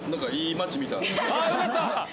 ああよかった。